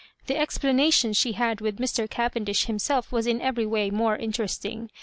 The explanation she had with Mr. Cavendish himself was in every way more interesting.